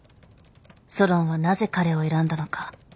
ソロンはなぜ彼を選んだのか。